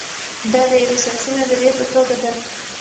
دا د یوې سیاسي نظریې په توګه ده.